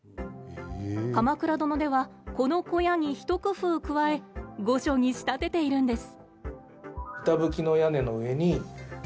「鎌倉殿」ではこの小屋に一工夫加え御所に仕立てているんです。